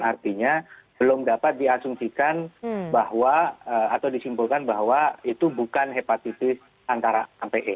artinya belum dapat diasumsikan bahwa atau disimpulkan bahwa itu bukan hepatitis antara ampe